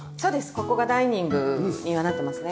ここがダイニングにはなってますね。